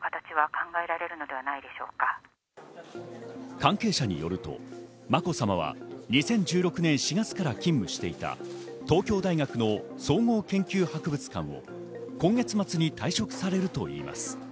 関係者によると、まこさまは２０１６年４月から勤務していた東京大学の総合研究博物館を今月末に退職されるといいます。